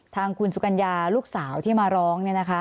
ทางคุณสุกัญญาลูกสาวที่มาร้อง